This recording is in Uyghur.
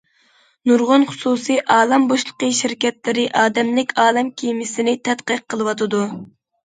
نۇرغۇن خۇسۇسىي ئالەم بوشلۇقى شىركەتلىرى ئادەملىك ئالەم كېمىسىنى تەتقىق قىلىۋاتىدۇ.